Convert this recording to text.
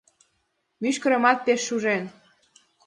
Мӱшкыремат пеш шужен.